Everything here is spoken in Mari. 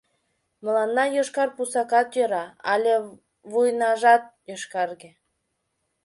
Мыланна йошкар пусакат йӧра, але вуйнажат йошкарге.